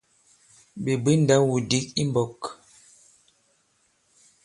Ɓè bwě ndaw-wudǐk i mbɔ̄k ì ?